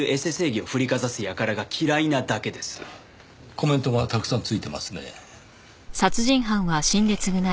コメントがたくさんついてますねぇ。